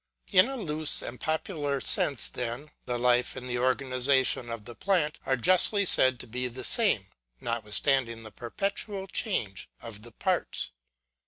In a loose and popular sense then, the life and the organization, and the plant, are justly said to be the same, notwithstanding the perpetual change of the parts.